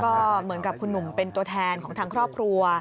ก็เหมือนกับคุณหนุ่มเป็นตัวแทนของทางครอบครัว